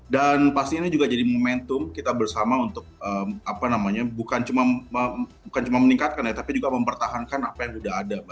dan pastinya ini juga jadi momentum kita bersama untuk bukan cuma meningkatkan ya tapi juga mempertahankan apa yang sudah ada